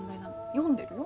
読んでるよ？